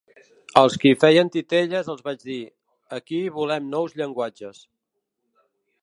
Als qui feien titelles els vaig dir: aquí volem nous llenguatges.